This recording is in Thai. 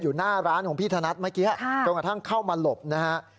หน้าร้านของพี่ธนัดเมื่อกี้จนกระทั่งเข้ามาหลบนะฮะ